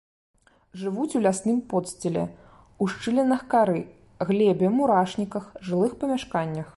Жывуць у лясным подсціле, у шчылінах кары, глебе, мурашніках, жылых памяшканнях.